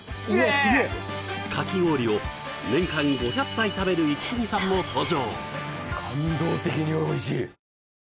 すげえかき氷を年間５００杯食べるイキスギさんも登場・